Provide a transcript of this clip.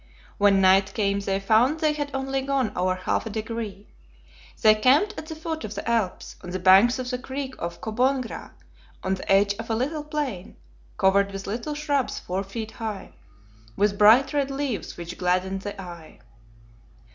When night came they found they had only gone over half a degree. They camped at the foot of the Alps, on the banks of the creek of Cobongra, on the edge of a little plain, covered with little shrubs four feet high, with bright red leaves which gladdened the eye.